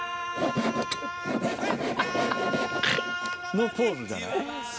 のポーズじゃない？